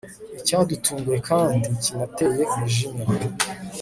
icyadutunguye kandi kinateye umujinya